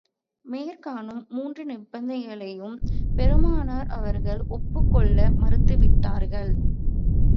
மேற்காணும் மூன்று நிபந்தனைகளையும் பெருமானார் அவர்கள் ஒப்புக் கொள்ள மறுத்து விட்டார்கள்.